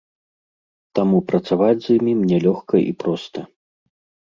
Таму працаваць з імі мне лёгка і проста.